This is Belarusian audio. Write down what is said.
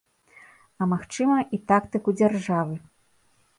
А магчыма, і тактыку дзяржавы.